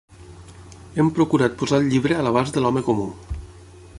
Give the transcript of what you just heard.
Hem procurat posar el llibre a l'abast de l'home comú.